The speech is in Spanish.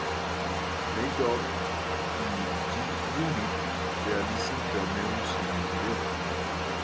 Nate Dogg y G-Unit realizan cameos en el video.